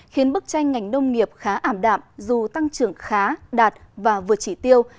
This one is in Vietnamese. khiến bức tranh ngành nông nghiệp khá ảm đạm dù tăng trưởng khá đạt và vượt chỉ tiêu